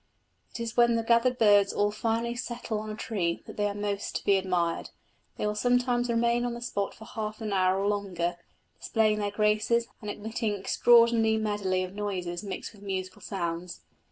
It is when the gathered birds all finally settle on a tree that they are most to be admired. They will sometimes remain on the spot for half an hour or longer, displaying their graces and emitting the extraordinary medley of noises mixed with musical sounds.